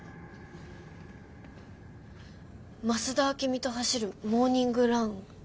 「増田明美と走るモーニングラン」？